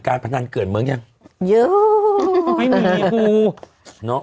๑การพนันเกิดเมืองหรือยัง